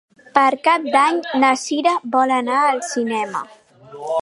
Per Cap d'Any na Sira vol anar al cinema.